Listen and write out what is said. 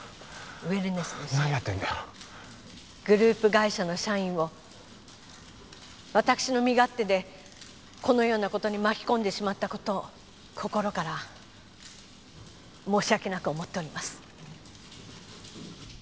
ウェルネスの社員グループ会社の社員を私の身勝手でこのようなことに巻き込んでしまったことを心から申し訳なく思っております